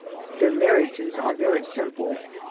Their marriages are very simple.